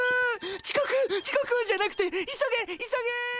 ちこくちこくじゃなくて急げ急げ！